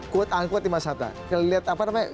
quote unquote di mas antara kita lihat apa namanya